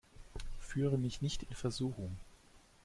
Führe mich nicht in Versuchung!